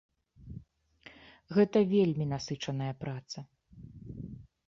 Гэта вельмі насычаная праца.